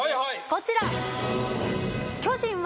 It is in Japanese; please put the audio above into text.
こちら。